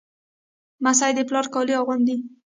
لمسی د پلار کالي اغوندي.